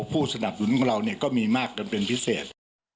ผู้สนับสนุนของเราก็มีมากกันเป็นพิเศษ